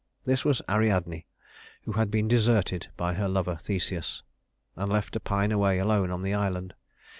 This was Ariadne, who had been deserted by her lover, Theseus, and left to pine away alone on the island.